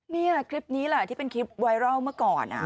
นี่คลิปนี้แหละที่เป็นคลิปไวรัลเมื่อก่อน